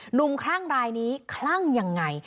คลั่งรายนี้คลั่งยังไง